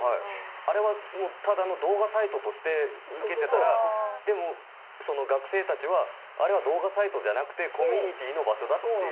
あれはもうただの動画サイトとして受けてたらでもその学生たちはあれは動画サイトじゃなくてコミュニティーの場所だっていう。